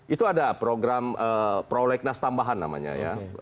itu ada program prolegnas tambahan namanya ya